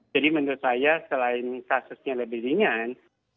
jadi menurut saya selain kasusnya lebih ringan